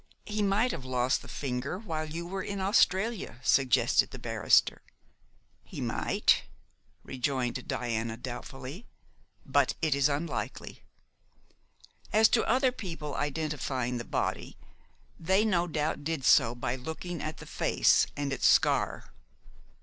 "He might have lost the finger while you were in Australia," suggested the barrister. "He might," rejoined Diana doubtfully, "but it is unlikely. As to other people identifying the body, they no doubt did so by looking at the face and its scar.